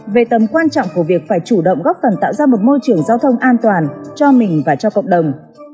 về tầm quan trọng của việc phải chủ động góp phần tạo ra một môi trường giao thông an toàn cho mình và cho cộng đồng